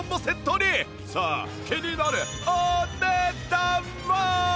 さあ気になるお値段は？